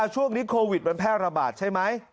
ช่วงนี้โควิดมันแพร่ระบาดใช่ไหม